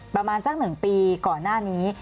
ประมาณสัก๑ปีก่อนหน้านี้